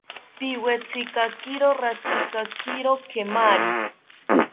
Piwetzikakiro ratzikakiro kemari